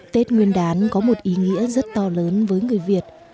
tết nguyên đán có một ý nghĩa rất to lớn với người việt